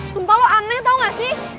sumpah lo aneh tau gak sih